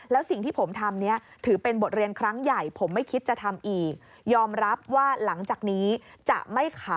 แล้วสิ่งที่ผมทำนี้ถือเป็นบทเรียนครั้งใหญ่ผมไม่คิดจะทำอีก